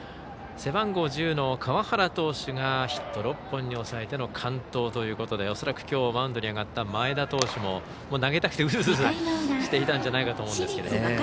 背番号１０の川原投手がヒット６本に抑えての完投ということで恐らくきょうマウンドに上がった前田投手も投げたくてうずうずしていたんじゃないかと思うんですが。